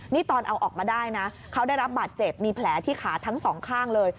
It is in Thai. นี่ตอนเอาออกมาได้นะเขาได้รับบาดเจ็บมีแผลที่ขาทั้งสองข้างเลย